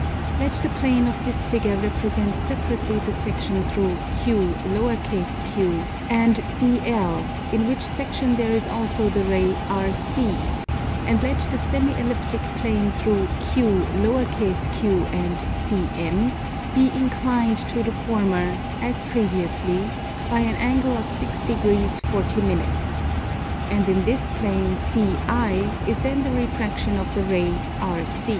Let the plane of this figure represent separately the section through Q_q_ and CL, in which section there is also the ray RC, and let the semi elliptic plane through Q_q_ and CM be inclined to the former, as previously, by an angle of 6 degrees 40 minutes; and in this plane CI is then the refraction of the ray RC.